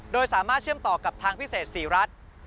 โดยสามารถเชื่อมต่อกับทางพิเศษศรีรัฐ